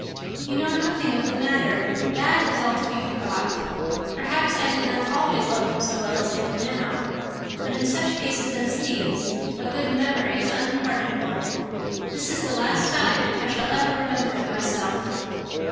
"You know nothing of the matter. That is all to be forgot. Perhaps I did not always love him so well as I do now; but in such cases as these a good memory is unpardonable. This is the last time I shall ever remember it myself."